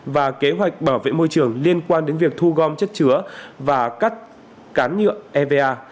và kế hoạch bảo vệ môi trường liên quan đến việc thu gom chất chứa và cắt cán nhựa eva